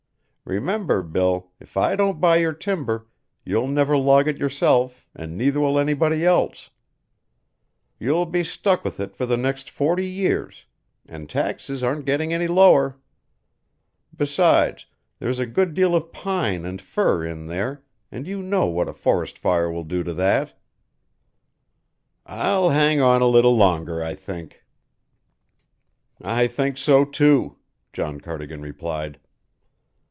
Remember, Bill, if I don't buy your timber, you'll never log it yourself and neither will anybody else. You'll be stuck with it for the next forty years and taxes aren't getting any lower. Besides, there's a good deal of pine and fir in there, and you know what a forest fire will do to that." "I'll hang on a little longer, I think." "I think so, too," John Cardigan replied.